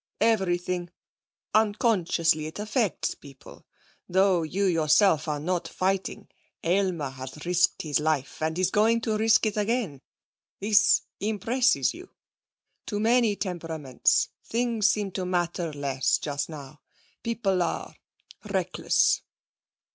'Everything. Unconsciously it affects people. Though you yourself are not fighting, Aylmer has risked his life, and is going to risk it again. This impresses you. To many temperaments things seem to matter less just now. People are reckless.'